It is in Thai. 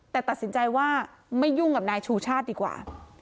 แต่ตัดสินใจว่าไม่ยุ่งกับนายชูชาติดีกว่า